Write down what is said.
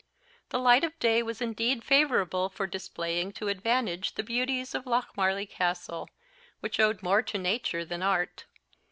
The light of day was indeed favourable for displaying to advantage the beauties of Lochmarlie Castle, which owed more to nature than art.